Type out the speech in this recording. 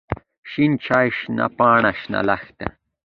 شين چای، شنه پاڼه، شنه لښته.